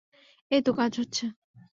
এই তো কাজ হচ্ছে।